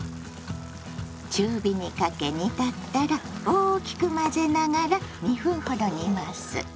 中火にかけ煮立ったら大きく混ぜながら２分ほど煮ます。